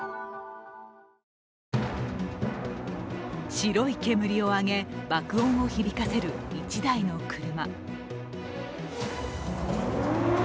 白い煙を上げ、爆音を響かせる１台の車。